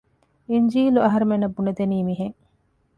އިންޖީލު އަހަރުމެންނަށް ބުނެދެނީ މިހެން